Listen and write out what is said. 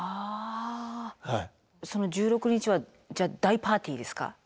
その１６日は大パーティーですか？